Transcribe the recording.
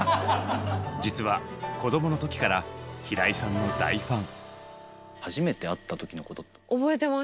実は子供の時から平井さんの大ファン。